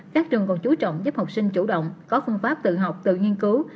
các trường còn chú trọng giúp học sinh chủ động có phương pháp tự học tự nghiên cứu